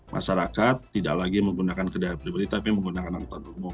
masyarakat tidak lagi menggunakan kedai pribadi tapi menggunakan antarumum